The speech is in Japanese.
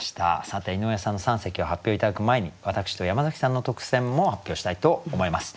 さて井上さんの三席を発表頂く前に私と山崎さんの特選も発表したいと思います。